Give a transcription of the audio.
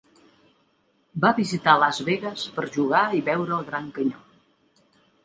Va visitar Las Vegas per jugar i veure el Gran Canyó.